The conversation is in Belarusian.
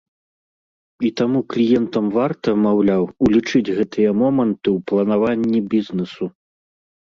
І таму кліентам варта, маўляў, улічыць гэтыя моманты ў планаванні бізнэсу.